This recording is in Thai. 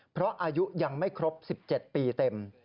เพราะอายุยังไม่ครบ๑๗ปีเต็ม